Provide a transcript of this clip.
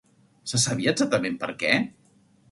Se sabia exactament per què?